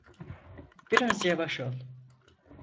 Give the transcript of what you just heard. Biraz yavaş ol.